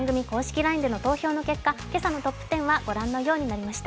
ＬＩＮＥの投票の結果、今朝のトップ１０はご覧のようになりました。